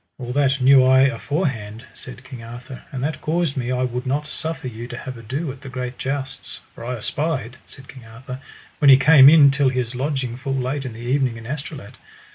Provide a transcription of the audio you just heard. All that knew I aforehand, said King Arthur, and that caused me I would not suffer you to have ado at the great jousts, for I espied, said King Arthur, when he came in till his lodging full late in the evening in Astolat.